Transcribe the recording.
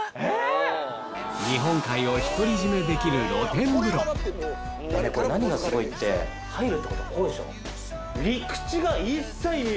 日本海を独り占めできる何がすごいって入るってことはこうでしょ。